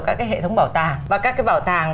các cái hệ thống bảo tàng và các cái bảo tàng